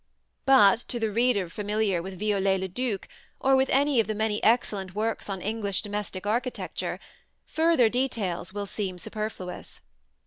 But to the reader familiar with Viollet le Duc, or with any of the many excellent works on English domestic architecture, further details will seem superfluous.